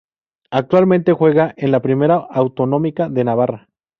Actualmente juega en la Primera Autonómica de Navarra.